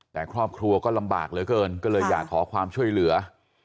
แต่ครอบครัวก็ลำบากเหลือเกินก็เลยอยากขอความช่วยเหลือ